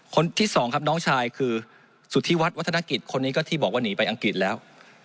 คนที่สองครับน้องชายคือสุธิวัฒนกิจคนนี้ก็ที่บอกว่าหนีไปอังกฤษแล้ว